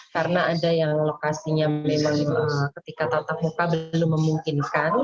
karena ada yang lokasinya memang ketika tata muka belum memungkinkan